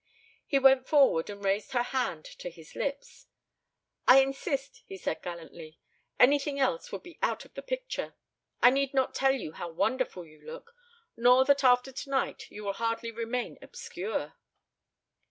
He went forward and raised her hand to his lips. "I insist," he said gallantly. "Anything else would be out of the picture. I need not tell you how wonderful you look nor that after tonight you will hardly remain obscure!"